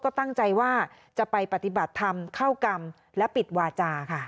ก็ตั้งใจว่าจะไปปฏิบัติธรรมเข้ากรรมและปิดวาจาค่ะ